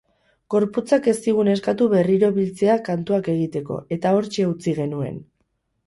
Gorputzak ez zigun eskatu berriro biltzea kantuak egiteko, eta hortxe utzi genuen.